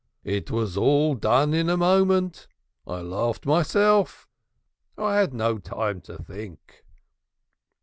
"It was all done in a moment. I laughed myself; I had no time to think."